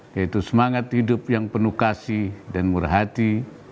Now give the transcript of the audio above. yaitu semangat hidup yang penuh kasih dan murah hati